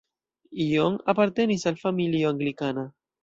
John apartenis al familio anglikana.